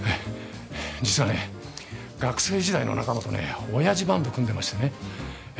実はね学生時代の仲間とねおやじバンド組んでましてね